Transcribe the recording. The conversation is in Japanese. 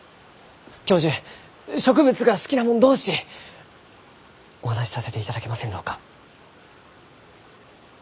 教授植物が好きな者同士お話しさせていただけませんろうか？